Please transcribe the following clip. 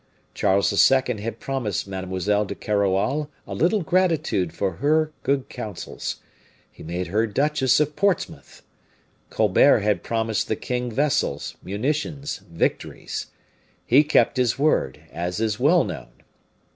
Charles II. had promised Mademoiselle de Keroualle a little gratitude for her good counsels; he made her Duchess of Portsmouth. Colbert had promised the king vessels, munitions, victories. He kept his word, as is well known.